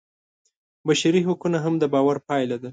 بشري حقونه هم د باور پایله ده.